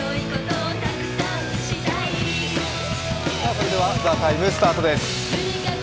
それでは「ＴＨＥＴＩＭＥ，」スタートです。